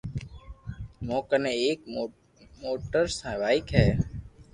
مون ڪني ايڪ موٽر بائيڪ ھي